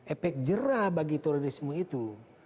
epek jerah bagi turismo itu